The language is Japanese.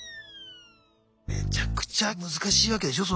めちゃくちゃ難しいわけでしょ